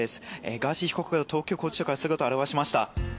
ガーシー被告が東京拘置所から姿を現しました。